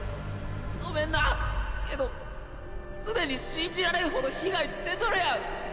ごめんなけど既に信じられん程被害出とるやん